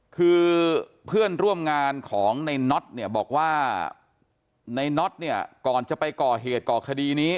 คือเพื่อนร่วมงานของในน็อตเนี่ยบอกว่าในน็อตเนี่ยก่อนจะไปก่อเหตุก่อคดีนี้